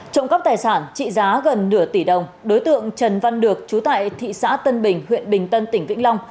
trộm cắp tài sản trị giá gần nửa tỷ đồng đối tượng trần văn được chú tại thị xã tân bình huyện bình tân tỉnh vĩnh long